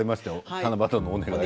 七夕のお願い。